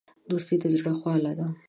دوستي د زړه خواله ده.